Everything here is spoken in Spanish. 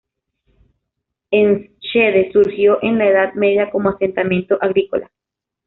Enschede surgió en la Edad Media como asentamiento agrícola.